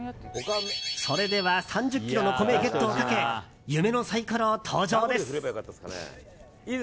それでは３０ｋｇの米ゲットをかけ夢のサイコロ登場です。